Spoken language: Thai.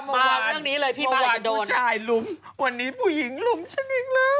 มาเรื่องนี้เลยพี่ม่าอาจจะโดนวันนี้ผู้หญิงลุ่มฉันอีกแล้ว